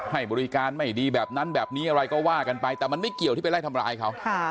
ให้บริการไม่ดีแบบนั้นแบบนี้อะไรก็ว่ากันไปแต่มันไม่เกี่ยวที่ไปไล่ทำร้ายเขา